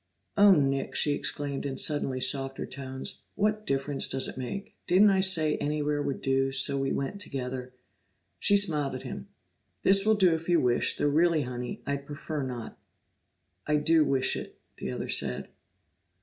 "Oh, Nick!" she exclaimed in suddenly softer tones. "What difference does it make? Didn't I say anywhere would do, so we went together?" She smiled at him. "This will do if you wish, though really, Honey, I'd prefer not." "I do wish it," the other said.